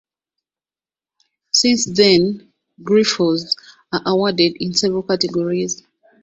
Since then, "griffels" are awarded in several categories.